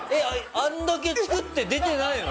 あれだけ作って出てないの？